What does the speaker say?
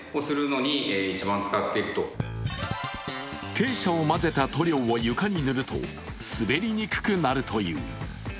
珪砂をまぜた塗料を床に塗ると滑りにくくなるという。